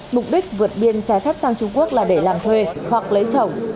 mục đích vượt biên trái phép sang trung quốc là để làm thuê hoặc lấy chồng